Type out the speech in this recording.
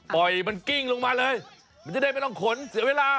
ปล่อยมันกิ้งลงมาเลยมันจะได้ไม่ต้องขนเสียเวลา